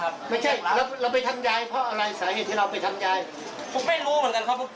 ผมหลับเลยครับ